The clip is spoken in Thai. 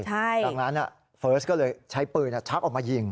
ดังนั้นเฟิร์สก็เลยใช้ปืนชักออกมายิง